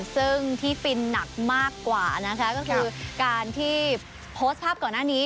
ซึ่งที่ฟินหนักมากกว่านะคะก็คือการที่โพสต์ภาพก่อนหน้านี้